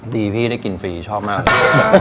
พี่ได้กินฟรีชอบมากเลย